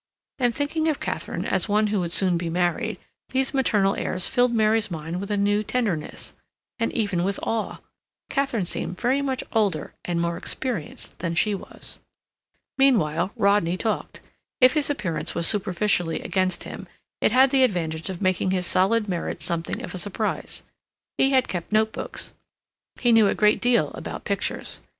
And thinking of Katharine as one who would soon be married, these maternal airs filled Mary's mind with a new tenderness, and even with awe. Katharine seemed very much older and more experienced than she was. Meanwhile Rodney talked. If his appearance was superficially against him, it had the advantage of making his solid merits something of a surprise. He had kept notebooks; he knew a great deal about pictures.